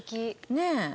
ねえ。